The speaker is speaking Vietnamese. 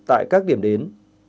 tại các điểm đến